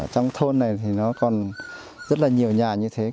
trong thôn này còn rất nhiều nhà như thế